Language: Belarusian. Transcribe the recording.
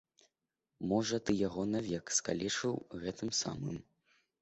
Можа, ты яго навек скалечыў гэтым самым.